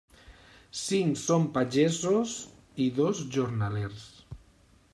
Cinc són pagesos i dos, jornalers.